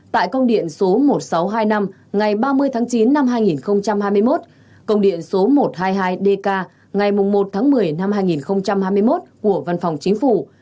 tại công điện số một nghìn sáu trăm hai mươi năm ngày ba mươi tháng chín năm hai nghìn hai mươi một công điện số một trăm hai mươi hai dk ngày một tháng một mươi năm hai nghìn hai mươi một của văn phòng chính phủ